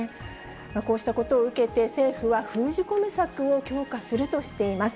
こうしたことを受けて、政府は封じ込め策を強化するとしています。